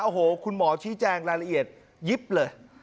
โอ้โหคุณหมอชี้แจงรายละเอียดยิบเลย